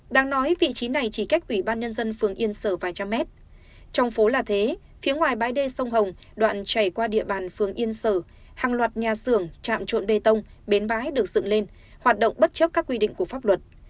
đang nói vị trí này chỉ cách ủy ban nhân dân phường yên sở vài trăm mét trong phố là thế phía ngoài bãi đê sông hồng đoạn chảy qua địa bàn phường yên sở hàng loạt nhà xưởng trạm trộn bê tông bến bãi được dựng lên hoạt động bất chấp các quy định của pháp luật